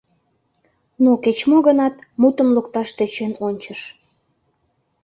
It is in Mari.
Но кеч мо гынат, мутым лукташ тӧчен ончыш: